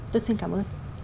tôi xin cảm ơn